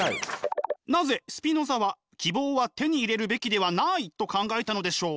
なぜスピノザは希望は手に入れるべきではないと考えたのでしょう？